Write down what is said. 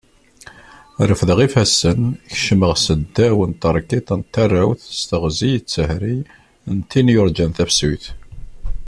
Refdeɣ ifassen kecmeɣ seddaw n tarkiḍṭ n tarawt s teɣzi d tehri n tin yurjan tafsut.